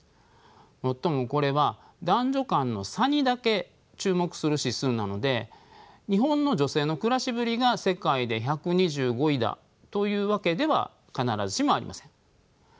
もっともこれは男女間の差にだけ注目する指数なので日本の女性の暮らしぶりが世界で１２５位だというわけでは必ずしもありません。